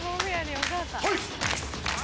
はい！